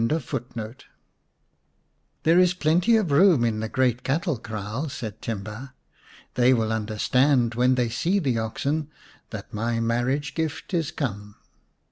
" There is plenty of room in the great cattle kraal/' said Timba. "They will understand when they see the oxen that my marriage gift is come."